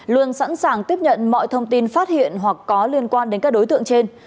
luôn sẵn sàng tiếp nhận mọi thông tin phát hiện hoặc có liên quan đến các đối tượng trên